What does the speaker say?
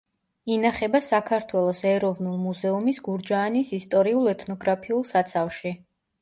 ინახება საქართველოს ეროვნულ მუზეუმის გურჯაანის ისტორიულ-ეთნოგრაფიულ საცავში.